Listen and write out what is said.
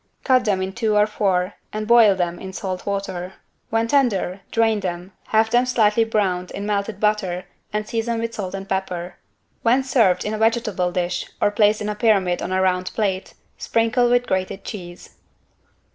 Cut them in two or four and boil them in salt water. When tender, drain them, have them slightly browned in melted butter and season with salt and pepper. When served in a vegetable dish or placed in a pyramid on a round plate, sprinkle with grated cheese.